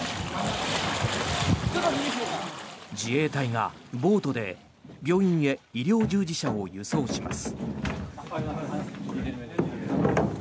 自衛隊がボートで病院へ医療従事者を輸送します。